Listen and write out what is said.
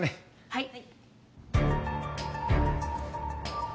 はい。